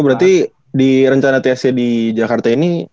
berarti di rencana tsc di jakarta ini